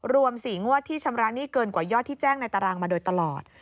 รวม๔งวดที่ชำระหนี้เกินกว่ายอดที่แจ้งในตารางมาโดยตลอด